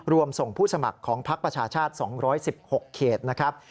ส่งผู้สมัครของพักประชาชาติ๒๑๖เขตนะครับ